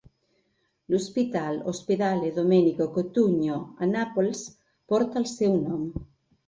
L'hospital "Ospedale Domenico Cotugno" a Nàpols porta el seu nom.